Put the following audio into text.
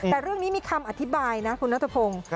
แต่เรื่องนี้มีคำอธิบายนะคุณนัทพงศ์